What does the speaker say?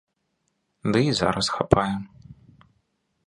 Ды і зараз хапае.